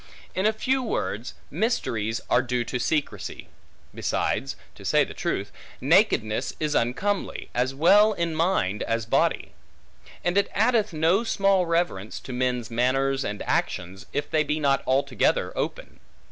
In few words, mysteries are due to secrecy. Besides (to say truth) nakedness is uncomely, as well in mind as body; and it addeth no small reverence, to men's manners and actions, if they be not altogether open.